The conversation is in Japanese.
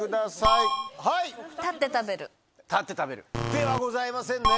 ではございませんね。